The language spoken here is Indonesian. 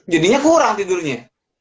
jadinya kurang tidurnya